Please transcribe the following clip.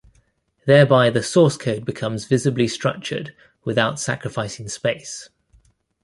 Thereby the source code becomes visibly structured without sacrificing space.